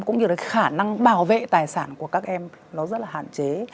cũng như khả năng bảo vệ tài sản của các em rất là hạn chế